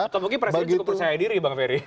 atau mungkin presiden cukup percaya diri bang ferry